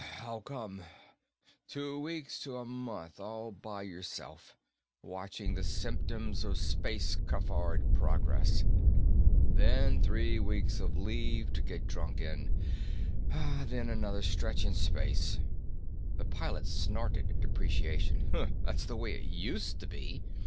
"How come? Two weeks to a month, all by yourself, watching the symptoms of space cafard progress. Then three weeks of leave, to get drunk in, and then another stretch in space." The pilot snorted deprecation. "That's the way it used to be."